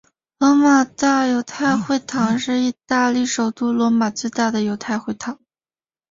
罗马大犹太会堂是意大利首都罗马最大的犹太会堂。